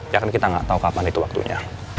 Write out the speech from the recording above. ya kan kita gak tau kapan itu waktunya